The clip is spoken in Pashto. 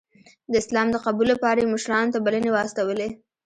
د اسلام د قبول لپاره یې مشرانو ته بلنې واستولې.